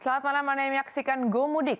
selamat malam anda yang menyaksikan go mudik